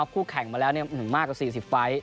คู่แข่งมาแล้วมากกว่า๔๐ไฟล์